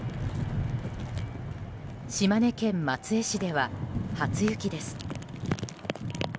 島根県松江市では初雪です。